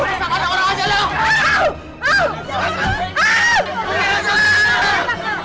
di mana kebonakan gue yang lo jual